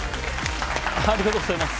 ありがとうございます。